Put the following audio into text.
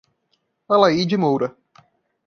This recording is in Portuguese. Alaide Moura